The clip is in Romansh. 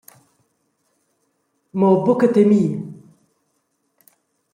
Mo buca temi.